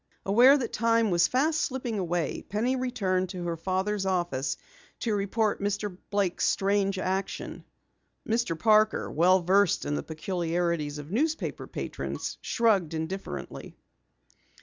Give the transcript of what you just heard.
Aware that time was fast slipping away, Penny returned to her father's office to report Mr. Blake's strange action. Mr. Parker, well versed in the peculiarities of newspaper patrons, shrugged indifferently.